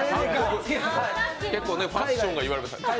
結構ファッションが言われました。